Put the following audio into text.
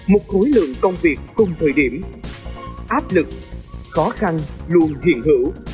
một khối lượng công việc cùng thời điểm áp lực khó khăn luôn hiện hữu